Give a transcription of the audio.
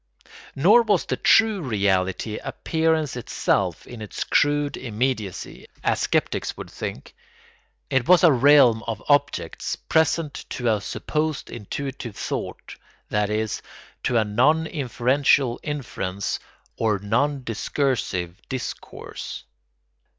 Nor was the true reality appearance itself in its crude immediacy, as sceptics would think; it was a realm of objects present to a supposed intuitive thought, that is, to a non inferential inference or non discursive discourse.